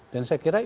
dan saya kira itu